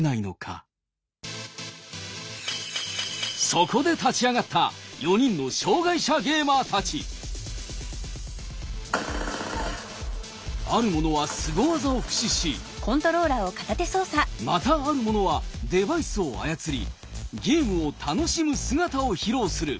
そこで立ち上がった４人の障害者ゲーマーたちある者はスゴ技を駆使しまたある者はデバイスを操りゲームを楽しむ姿を披露する。